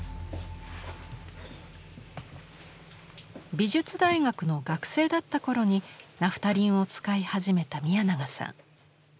美術大学の学生だったころにナフタリンを使い始めた宮永さん。